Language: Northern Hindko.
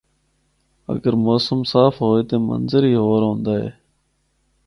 اگر موسم صاف ہوے تے منظر ہی ہور ہوندا ہے۔